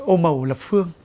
ô màu lập phương